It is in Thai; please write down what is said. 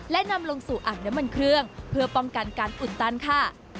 และนำลงสู่อ่างน้ำมันเครื่องเพื่อป้องกันการอุ่นตันค่ะ